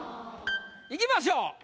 いきましょう。